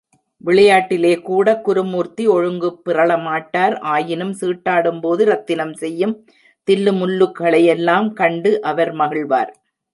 விளையாட்டிலேகூடக் குருமூர்த்தி ஒழுங்கு பிறழ மாட்டார் ஆயினும் சீட்டாடும்போது ரத்தினம் செய்யும் தில்லுமுல்லுகளையெல்லாம் கண்டு அவர் மகிழ்வார்.